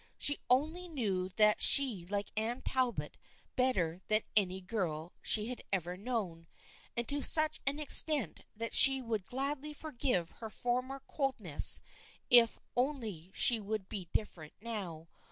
She only knew that she liked Anne Talbot better than any girl she had ever known, and to such an extent that she would gladly forgive her former coldness if only she would be different now.